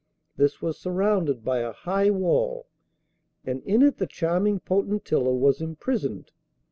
This was surrounded by a high wall, and in it the charming Potentilla was imprisoned.